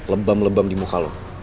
lebam lebam di muka lo